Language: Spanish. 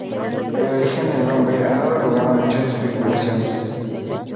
El origen del nombre ha dado lugar a muchas especulaciones.